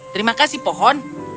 terima kasih pohon